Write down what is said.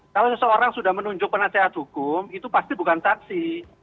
kalau seseorang sudah menunjuk penasehat hukum itu pasti bukan saksi